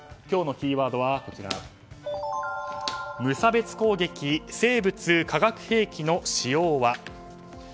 今日のキーワードは無差別攻撃生物・化学兵器の使用は？